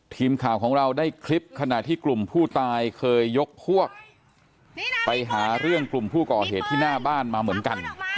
ทีมข่าวของเราได้คลิปขณะที่กลุ่มผู้ตายเคยยกพวกไปหาเรื่องกลุ่มผู้ก่อเหตุที่หน้าบ้านมาเหมือนกัน